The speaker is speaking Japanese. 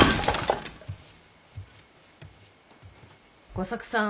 吾作さん